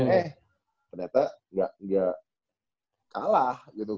eh ternyata gak kalah gitu